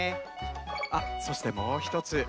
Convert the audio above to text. あっそしてもうひとつ。